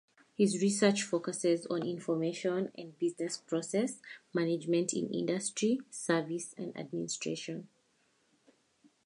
His research focuses on information and business process management in industry, services and administration.